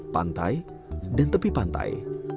pantai dan tepi pantai